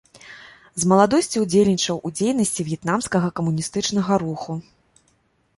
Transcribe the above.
З маладосці ўдзельнічаў у дзейнасці в'етнамскага камуністычнага руху.